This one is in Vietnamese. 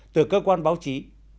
từ cơ quan báo chí